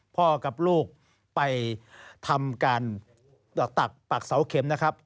พ่อกับลูกไปทำการตักปักเสาเข็มนะครับ